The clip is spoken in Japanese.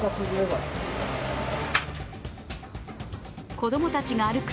子供たちが歩く